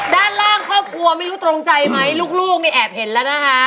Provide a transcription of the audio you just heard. ด้านล่างครอบครัวไม่รู้ตรงใจไหมลูกเนี่ยแอบเห็นแล้วนะคะ